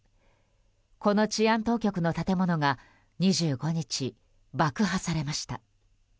この治安当局の建物が２５日、爆破されました。